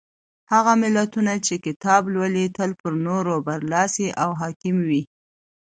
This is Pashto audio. هغه ملتونه چې کتاب لولي تل پر نورو برلاسي او حاکم وي.